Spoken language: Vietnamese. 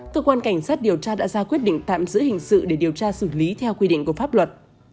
cơ quan cảnh sát điều tra đã ra quyết định tạm giữ hình sự để điều tra xử lý theo quy định của pháp luật